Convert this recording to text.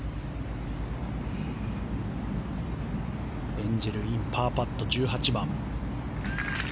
エンジェル・インパーパット、１８番。